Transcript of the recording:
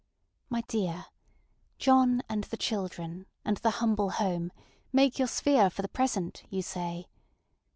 My dear, John and the children, and the humble home, make your sphere for the present, you say.